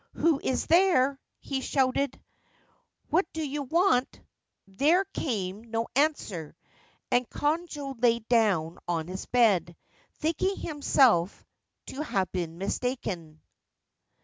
' Who is there ?' he shouted. ' What do you want ?' There came no answer, and Konojo lay down on his bed, thinking himself to have been mistaken.